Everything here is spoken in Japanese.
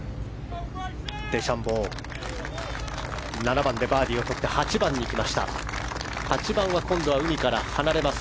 デシャンボー７番でバーディーをとって今度は８番にいきます。